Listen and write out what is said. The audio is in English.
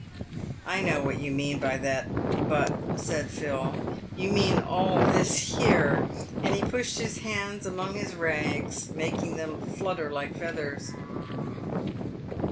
" I know what you mean by that ' but,' " said Phil ;" you mean all this here." And he pushed his hands among his rags, making them flutter like feathers.